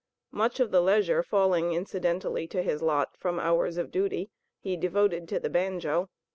Much of the leisure falling incidentally to his lot from hours of duty, he devoted to the banjo.